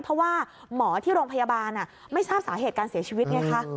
เพราะว่าหมอที่โรงพยาบาลไม่ทราบสาเหตุการเสียชีวิตไงคะ